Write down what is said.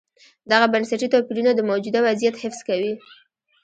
دغه بنسټي توپیرونه د موجوده وضعیت حفظ کوي.